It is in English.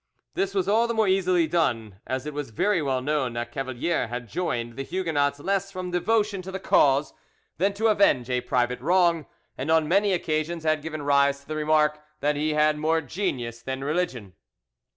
This was all the more easily done, as it was very well known that Cavalier had joined the Huguenots less from devotion to the cause than to avenge a private wrong, and on many occasions had given rise to the remark that he had more genius than religion.